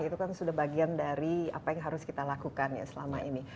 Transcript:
itu kan sudah bagian dari apa yang harus kita lakukan ya selama ini